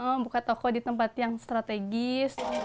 caranya sih buka toko buka toko di tempat yang strategis